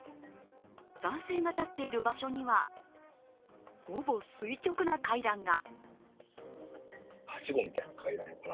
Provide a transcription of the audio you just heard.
男性が立っている場所にはほぼ垂直な階段が。